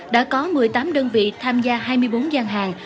đã có một mươi tám đơn vị tham gia hai mươi bốn gian hàng